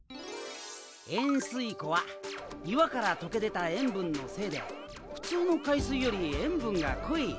塩水湖は岩から溶け出た塩分のせいで普通の海水より塩分が濃い。